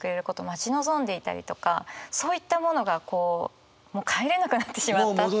待ち望んでいたりとかそういったものがもう帰れなくなってしまったっていう。